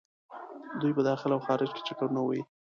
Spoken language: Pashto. دوۍ په داخل او خارج کې چکرونه وهي.